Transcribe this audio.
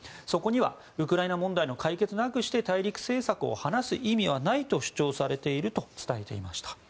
そこにはウクライナ問題の解決なくして大陸政策を話す意味はないと主張されていると伝えていました。